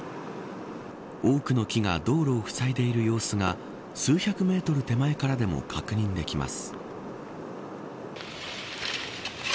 多くの木が道路をふさいでいる様子が数百メートル手前からでも確認できます。